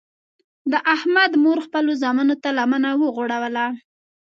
د احمد مور خپلو زمنو ته لمنه وغوړوله.